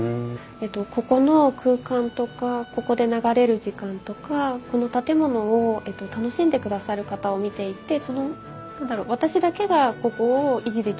ここの空間とかここで流れる時間とかこの建物を楽しんでくださる方を見ていてその何だろう私だけがここを維持できるとは思ってないんです。